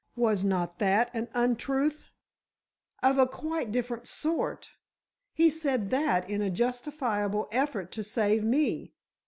Was not that an untruth?" "Of a quite different sort. He said that in a justifiable effort to save me.